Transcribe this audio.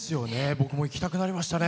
僕も行きたくなりましたね。